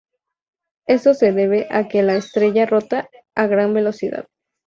Esto se debe a que la estrella rota a gran velocidad.